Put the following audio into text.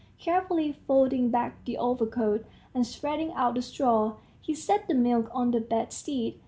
Carefully folding back the overcoat, and spreading out the straw, he set the milk on the bedstead.